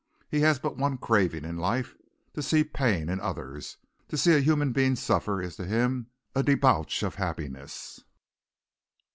He has but one craving in life: to see pain in others. To see a human being suffer is to him a debauch of happiness.